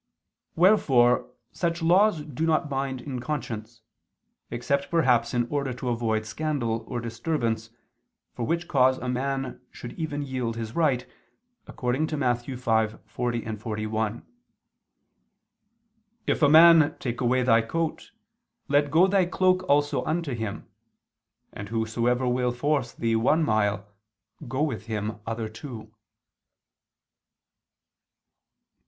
Wherefore such laws do not bind in conscience, except perhaps in order to avoid scandal or disturbance, for which cause a man should even yield his right, according to Matt. 5:40, 41: "If a man ... take away thy coat, let go thy cloak also unto him; and whosoever will force thee one mile, go with him other two."